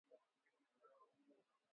Kaanga kwenye moto wa wastani viazi vyako